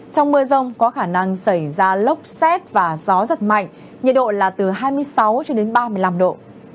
trong mưa rông có khả năng xảy ra lốc xét và gió giật mạnh nhiệt độ là từ hai mươi sáu cho đến ba mươi năm độ